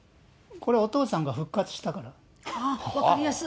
これ、お父さんが復活したからです。